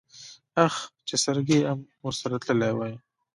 اخ چې سرګي ام ورسره تلی وای.